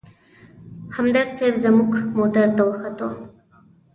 همدرد صیب زموږ موټر ته وختو.